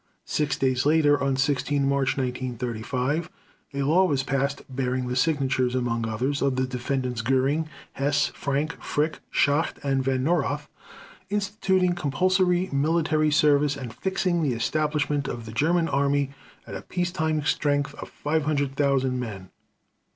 Six days later, on 16 March 1935, a law was passed bearing the signatures, among others, of the Defendants Göring, Hess, Frank, Frick, Schacht, and Von Neurath, instituting compulsory military service and fixing the establishment of the German Army at a peace time strength of 500,000 men.